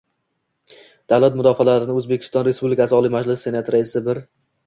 Davlat mukofotlarini O'zbekiston Respublikasi Oliy Majlisi Senati Raisi T